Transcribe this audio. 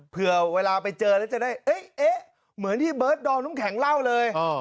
เผื่อเวลาไปเจอแล้วจะได้เอ๊ะเหมือนที่เบิร์ดดอมน้ำแข็งเล่าเลย